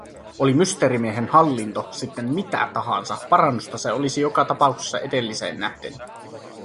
Oli Mysteerimiehen hallinto sitten mitä tahansa, parannusta se olisi joka tapauksessa edelliseen nähden.